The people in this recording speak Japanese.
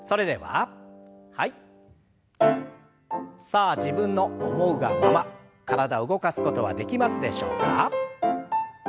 さあ自分の思うがまま体動かすことはできますでしょうか。